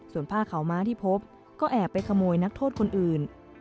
ส่วนผ้าขาวม้าที่พบก็แอบไปขโมยนักโทษคนอื่น